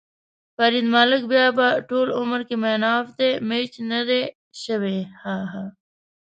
فرید ملک بیا به ټول عمر کې مېن اف ده مېچ ندی شوی.ههه